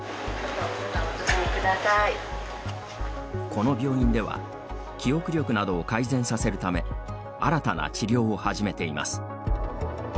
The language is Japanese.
この病院では記憶力などを改善させるため新たな治療を始めています。